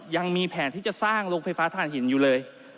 ยังมีแผนที่จะสร้างโรงไฟฟ้าฐานหินอยู่เลย